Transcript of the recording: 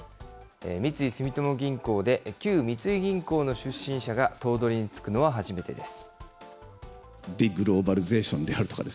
三井住友銀行で旧三井銀行の出身者が頭取に就くのは初めてです。